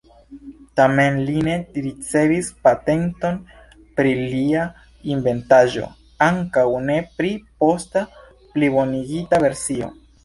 Tamen li ne ricevis patenton pri lia inventaĵo, ankaŭ ne pri posta plibonigita versio.